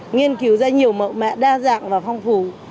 nghiên cứu ra nhiều mẫu mạ đa dạng và phong phú